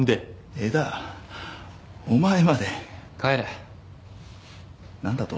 江田お前まで帰れなんだと？